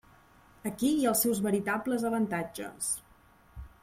Aquí hi ha els seus veritables avantatges.